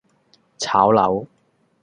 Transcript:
炒樓